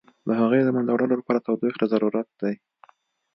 د هغوی له منځه وړلو لپاره تودوخې ته ضرورت دی.